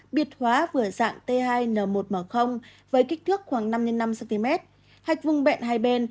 biệt hóa vừa dạng t hai n một m với kích thước khoảng năm x năm cm hạch vung bẹn hai bên